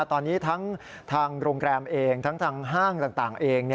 ตอนนี้ทั้งทางโรงแรมเองทั้งทางห้างต่างเอง